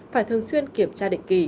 phải thường xuyên kiểm tra định kỳ